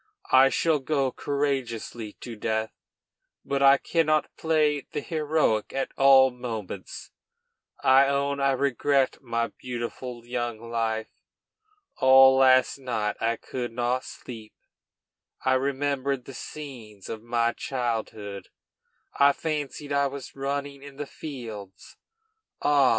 I shall go courageously to death, but I cannot play the heroic at all moments; I own I regret my beautiful young life. All last night I could not sleep; I remembered the scenes of my childhood; I fancied I was running in the fields. Ah!